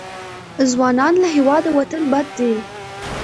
ځوانان له هېواده وتل بد دي.